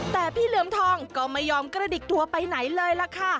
แต่พี่เหลือมทองก็ไม่ยอมกระดิกตัวไปไหนเลยล่ะค่ะ